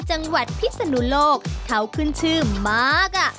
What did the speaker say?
จังหวัดพิศนุโลกเขาขึ้นชื่อมากอ่ะ